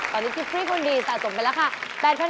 ตอนนี้กิฟฟรีคุณดีสะสมไปแล้วค่ะ